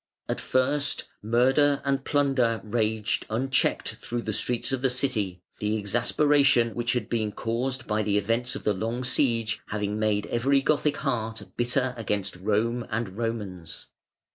] At first murder and plunder raged unchecked through the streets of the City, the exasperation which had been caused by the events of the long siege having made every Gothic heart bitter against Rome and Romans.